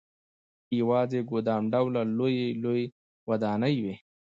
یوازې ګدام ډوله لويې لويې ودانۍ وې.